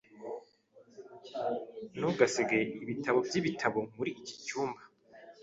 Ntugasige ibitabo byibitabo muri iki cyumba.